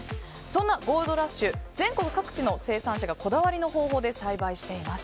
そんなゴールドラッシュ全国各地の生産者がこだわりの方法で栽培しています。